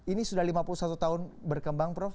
ini sudah lima puluh satu tahun berkembang prof